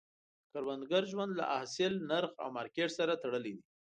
د کروندګر ژوند له حاصل، نرخ او مارکیټ سره تړلی وي.